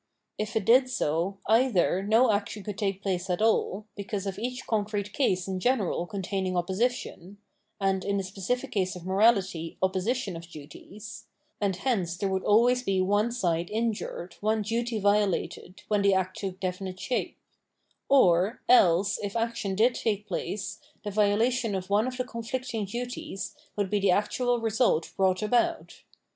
If it did so, either no action could take place at aU, because of each concrete case in general containing opposition, and, in the specific case of morality, opposition of duties, — and hence there would 046 Phenomenology of Mind always be one side injmed, one duty violated, when the act took definite shape : or else, if action did take place, the violation of one of the conflicting duties would be the actual result brought about.